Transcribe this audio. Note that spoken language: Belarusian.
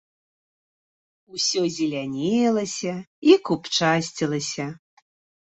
Усё зелянелася і купчасцілася.